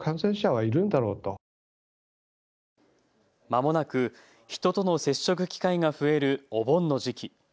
まもなく人との接触機会が増えるお盆の時期。